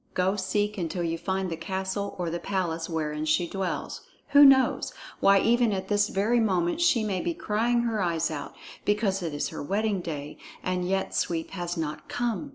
Go seek until you find the castle or the palace wherein she dwells. Who knows why, even at this very moment she may be crying her eyes out, because it is her wedding day, and yet Sweep has not come!"